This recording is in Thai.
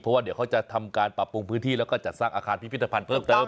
เพราะว่าเดี๋ยวเขาจะทำการปรับปรุงพื้นที่แล้วก็จัดสร้างอาคารพิพิธภัณฑ์เพิ่มเติม